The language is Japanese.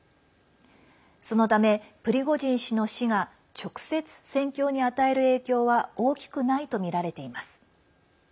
そのためプリゴジン氏の死が直接戦況に与える影響は大きくないとみられています。